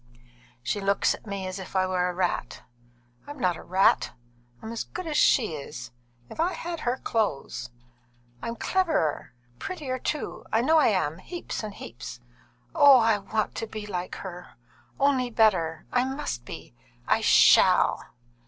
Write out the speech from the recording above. "She looks at me as if I were a rat. I'm not a rat! I'm as good as she is, if I had her clothes. I'm cleverer, and prettier, too, I know I am heaps and heaps. Oh! I want to be like her, only better I must be I shall!"